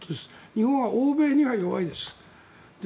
日本は欧米には弱いです。